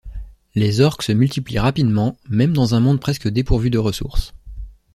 Les orks se multiplient rapidement, même dans un monde presque dépourvu de ressources.